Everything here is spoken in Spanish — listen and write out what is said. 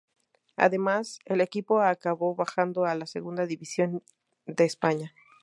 Además, el equipo acabó bajando a la Segunda División de España.